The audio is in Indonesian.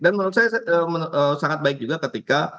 dan menurut saya sangat baik juga ketika